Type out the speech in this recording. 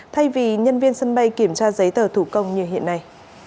thay vì nhân viên sân bay kiểm tra giấy tờ thủ công như hiện nay